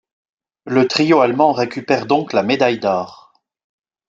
Le trio allemand récupère donc la médaille d'or.